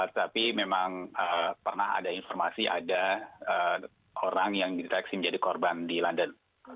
tapi memang pernah ada informasi ada orang yang dideteksi menjadi korban di london